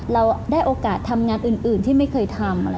เราได้โอกาสทำงานอื่นที่ไม่เคยทำอะไร